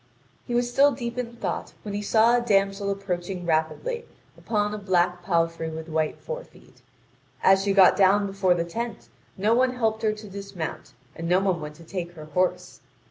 He was still deep in thought when he saw a damsel approaching rapidly upon a black palfrey with white forefeet. As she got down before the tent no one helped her to dismount, and no one went to take her horse.